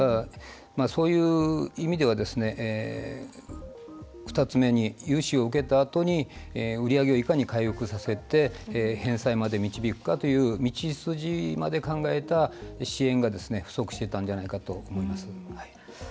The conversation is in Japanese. そういう意味では、２つ目に融資を受けたあとに売り上げをいかに回復させて返済まで導くかという道筋まで考えた支援が不足していたんじゃないかと思います。